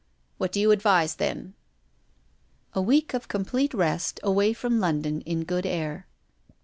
What do you advise then ?"" A week of complete rest away from London, in good air."